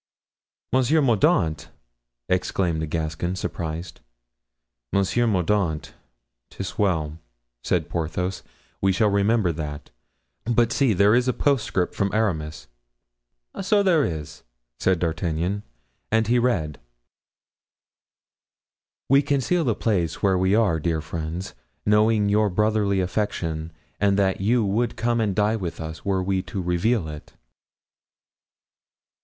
"Monsieur Mordaunt!" exclaimed the Gascon, surprised. "Monsieur Mordaunt! 'tis well," said Porthos, "we shall remember that; but see, there is a postscript from Aramis." "So there is," said D'Artagnan, and he read: "We conceal the place where we are, dear friends, knowing your brotherly affection and that you would come and die with us were we to reveal it."